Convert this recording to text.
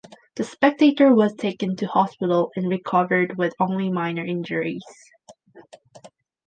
The spectator was taken to hospital and recovered with only minor injuries.